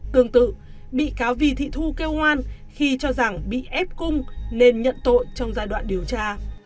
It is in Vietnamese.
tương tự bị cáo vì thị thu kêu ngoan khi cho rằng bị ép cung nên nhận tội trong giai đoạn điều tra